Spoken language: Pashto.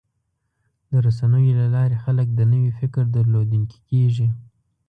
د رسنیو له لارې خلک د نوي فکر درلودونکي کېږي.